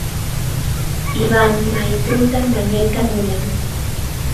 Ivan mayt'unta mañayta munan.